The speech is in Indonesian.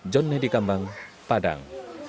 john nedi kambang padang